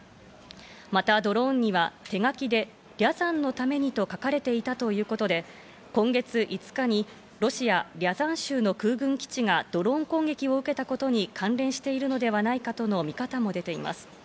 またドローンには手書きで「リャザンのために」と書かれていたということで、今月５日にロシア・リャザン州の空軍基地がドローン攻撃を受けたことに関連しているのではないかとの見方も出ています。